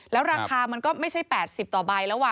แล้วราคามันก็ไม่ใช่๘๐ต่อใบแล้ว